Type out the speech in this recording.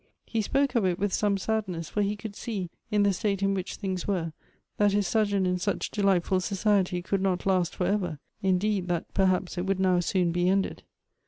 He spoke of it with some sadness, for he could see, in the state in which things were, that his sojourn in such delightful society could not last for ever; indeed, that perhaps it would now soon be ended.